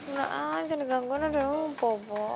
udah aja digangguin udah bobo